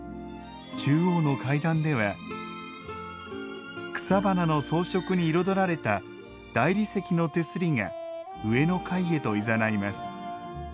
中央の階段では草花の装飾に彩られた大理石の手すりが上の階へといざないます。